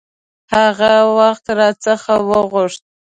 هغه وخت را څخه وغوښت.